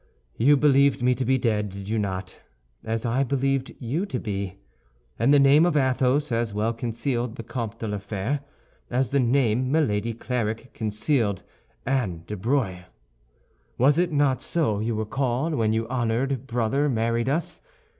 "You believed me to be dead, did you not, as I believed you to be? And the name of Athos as well concealed the Comte de la Fère, as the name Milady Clarik concealed Anne de Breuil. Was it not so you were called when your honored brother married us?